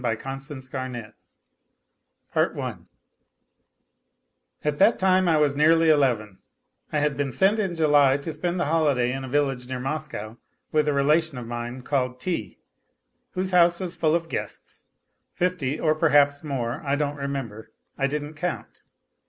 A LITTLE HERO A STORY AT that time I was nearly eleven, I had been sent in July to spend the holiday in a village near Moscow with a relation of mine called T., whose house was full of guests, fifty, or perhaps more. ... I don't remember, I didn't count.